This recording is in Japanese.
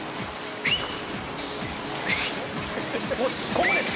「ここです！